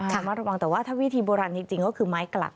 ระมัดระวังแต่ว่าถ้าวิธีโบราณจริงก็คือไม้กลับ